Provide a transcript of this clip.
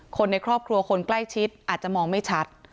คนในครอบครัวคนใกล้ชิดอาจจะมองไม่ชัด